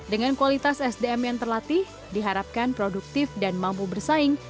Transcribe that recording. dengan kualitas sdm yang terlatih diharapkan produktif dan mampu bersaing